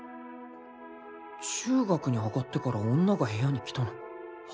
中学に上がってから女が部屋に来たの初めてだな